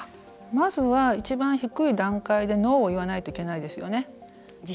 まずは一番低い段階でノーを言わないといけないです。